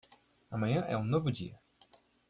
Amanhã é um novo dia.